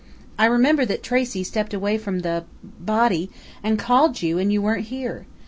I remember that Tracey stepped away from the body, and called you, and you weren't here.